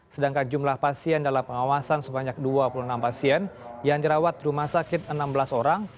sedangkan jumlah pasien dalam pengawasan sebanyak dua puluh enam pasien yang dirawat di rumah sakit enam belas orang